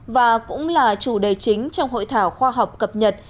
và cũng là chủ đề chính trong hội thảo khoa học cập nhật